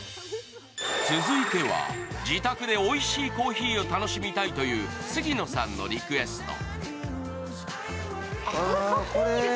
続いては、自宅でおいしいコーヒーを楽しみたいという杉野さんのリクエスト。